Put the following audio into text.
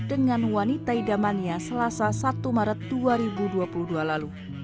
dengan wanita idamannya selasa satu maret dua ribu dua puluh dua lalu